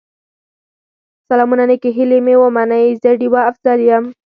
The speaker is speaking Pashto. سلامونه نیکې هیلې مې ومنئ، زه ډيوه افضل یم